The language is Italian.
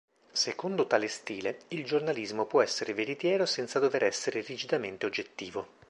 Secondo tale stile, il giornalismo può essere veritiero senza dover essere rigidamente oggettivo.